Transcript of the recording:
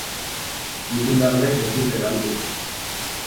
Irundarrek ez dute galdu.